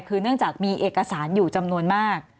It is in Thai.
คือเนื่องจากมีเอกสารอยู่จำนวนมาก